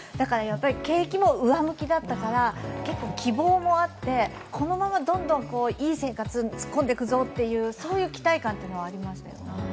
景気も上向きだったから、結構希望もあって、このままどんどんいい生活に突っ込んでいくぞというそういう期待感はありましたよね。